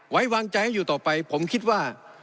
ไว้วางใจให้อยู่ต่อไปผมคิดว่า